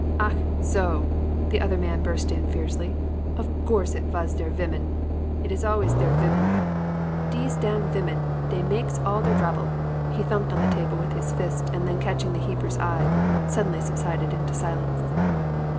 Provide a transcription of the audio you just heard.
"'Ach! Zo!' the other man burst in fiercely, 'Of gourse it vas der vimmen! It is always der vimmen. Dese dam vimmen, dey makes all der drabble!' He thumped the table with his fist, and then, catching the Hebrew's eye, suddenly subsided into silence.